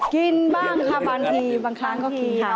กินบ้างค่ะบางทีบางครั้งก็กินค่ะ